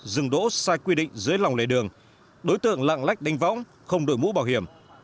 dừng đỗ sai quy định dưới lòng lề đường đối tượng lạng lách đánh võng không đổi mũ bảo hiểm